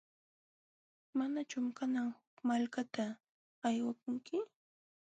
¿Manachum kanan huk malkata aywakunki?